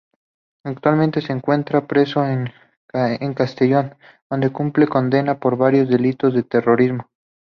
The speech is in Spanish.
Actualmente se encuentra preso en Castellón, donde cumple condena por varios delitos de terrorismo.